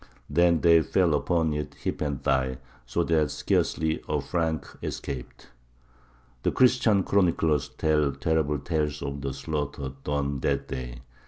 Then they fell upon it hip and thigh, so that scarcely a Frank escaped. The Christian chroniclers tell terrible tales of the slaughter done that day.